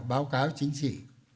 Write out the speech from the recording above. báo cáo chính trị